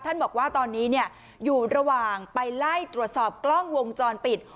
บอกว่าตอนนี้อยู่ระหว่างไปไล่ตรวจสอบกล้องวงจรปิด